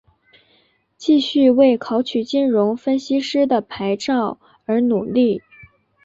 继续为考取金融分析师的牌照而努力。